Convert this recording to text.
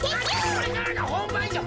これからがほんばんじゃ。